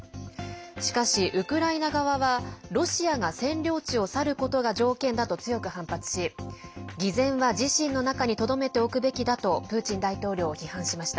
しかし、ウクライナ側はロシアが占領地を去ることが条件だと強く反発し偽善は自身の中にとどめておくべきだとプーチン大統領を批判しました。